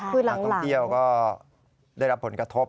คุยหลังนะครับถ้าเที่ยวก็ได้รับผลกระทบ